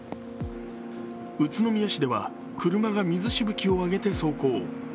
宇都宮市では車が水しぶきをあげて走行。